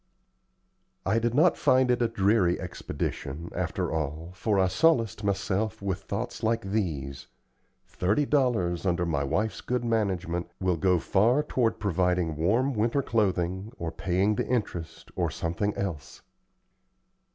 I did not find it a dreary expedition, after all, for I solaced myself with thoughts like these, "Thirty dollars, under my wife's good management, will go far toward providing warm winter clothing, or paying the interest, or something else."